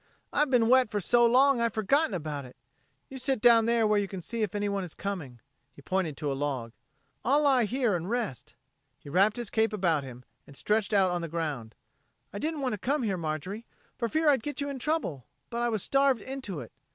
"I've been wet for so long I've forgotten about it. You sit down there where you can see if anyone is coming." He pointed to a log. "I'll lie here and rest." He wrapped his cape about him, and stretched out on the ground. "I didn't want to come here, Marjorie, for fear I'd get you into trouble, but I was starved into it.